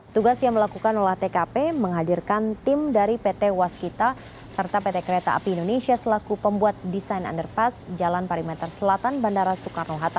tugas yang melakukan olah tkp menghadirkan tim dari pt waskita serta pt kereta api indonesia selaku pembuat desain underpass jalan parameter selatan bandara soekarno hatta